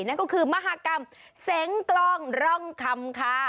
นั่นก็คือมหากรรมเสงกล้องร่องคำค่ะ